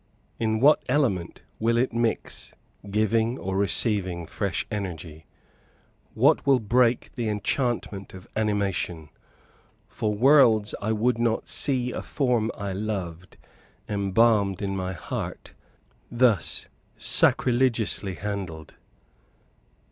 In what element will it mix, giving or receiving fresh energy? What will break the enchantment of animation? For worlds I would not see a form I loved embalmed in my heart thus sacrilegiously handled?